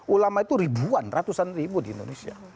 ulama itu ribuan ratusan ribu di indonesia